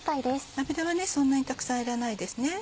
油はそんなにたくさんいらないですね。